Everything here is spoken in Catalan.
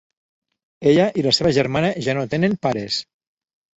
Ella i la seva germana ja no tenen pares.